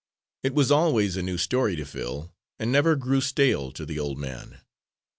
It was always a new story to Phil, and never grew stale to the old man.